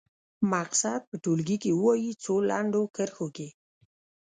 مقصد په ټولګي کې ووايي څو لنډو کرښو کې.